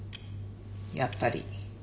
やっぱり。